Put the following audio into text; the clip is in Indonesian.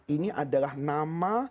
ini adalah nama